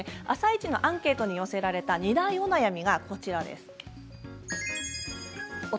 「あさイチ」のアンケートに寄せられた二大お悩みがこちらです。